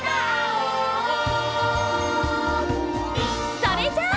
それじゃあ！